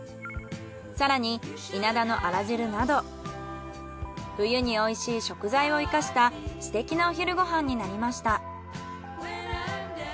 更にイナダのあら汁など冬に美味しい食材を生かしたすてきなお昼ご飯になりました。